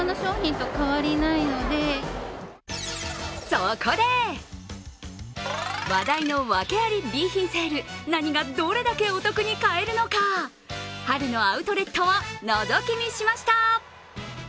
そこで、話題のワケありＢ品セール、何がお得に買えるのか、春のアウトレットをのぞき見しました。